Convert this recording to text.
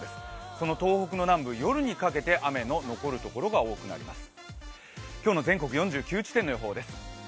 その東北の南部、夜にかけて雨の残るところが多くなります。